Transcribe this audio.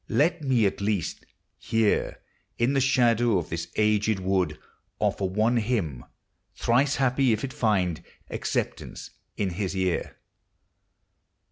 Let me, at least, Here, iu the shadow of this aged wood, Offer one hymn, — thrice happy if it find Acceptance in his ear.